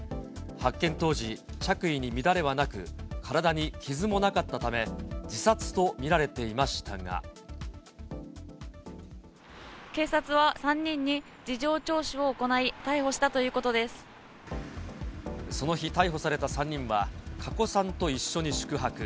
発見当時、着衣に乱れはなく、体に傷もなかったため、警察は、３人に事情聴取を行その日、逮捕された３人は、加古さんと一緒に宿泊。